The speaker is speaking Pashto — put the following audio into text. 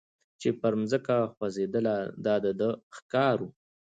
چي پر مځکه خوځېدله د ده ښکار وو